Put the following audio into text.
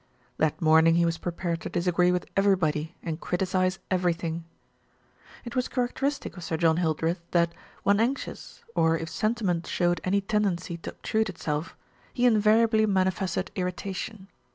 That morning he was prepared to disagree with every body and criticise everything. It was characteristic of Sir John Hildreth that, when anxious, or if sentiment showed any tendency to obtrude itself, he invariably manifested irritation.